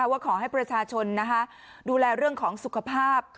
ว่าขอให้ประชาชนดูแลเรื่องของสุขภาพ